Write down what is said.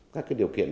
các điều kiện